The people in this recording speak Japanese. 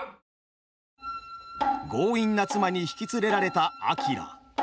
強引な妻に引き連れられたあきら。